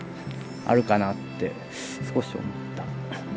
「あるかな」って少し思った。